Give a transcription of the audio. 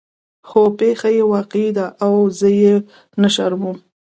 خو پېښه يې واقعي ده او زه یې نشروم.